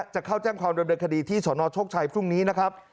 จะเข้าแจ้งความดำเนินคดีที่สนโชคชัยพรุ่งนี้นะครับ